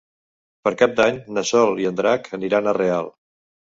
Per Cap d'Any na Sol i en Drac aniran a Real.